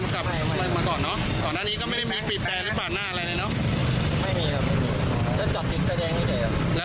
พอใส่ลูกกันประมาณ๑๖บันเขาหลบให้หมดเลย